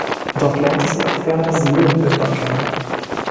Dort lernte sie auch Werner Seelenbinder kennen.